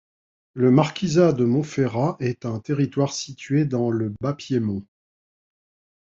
Le marquisat de Montferrat est un territoire situé dans le Bas Piémont.